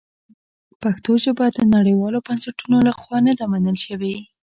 پښتو ژبه د نړیوالو بنسټونو لخوا نه ده منل شوې.